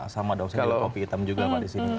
sama dong saya kopi hitam juga pak di sini